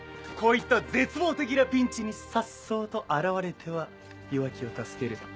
こういった絶望的なピンチに颯爽と現れては弱きを助ける。